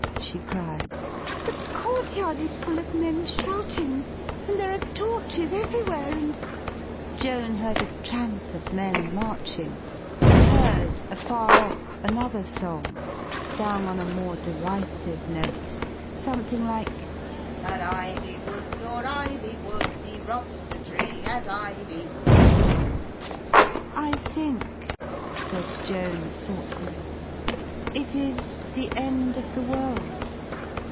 she cried. "The courtyard is full of men shouting, and there are torches everywhere and —" Joan heard a tramp of men marching and heard, afar off, another song, sung on a more derisive note, something like "But Ivywood, Lord Ivywood, He rots the tree as ivy would. "I think," said Joan, thoughtf uUy, "it is the End of the World."